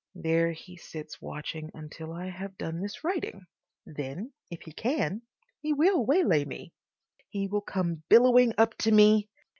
There he sits watching until I have done this writing. Then, if he can, he will waylay me. He will come billowing up to me....